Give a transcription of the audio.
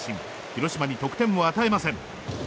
広島に得点を与えません。